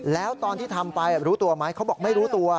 แล้วตอนที่ทำไปรู้ตัวไหมเขาบอกไม่รู้ตัว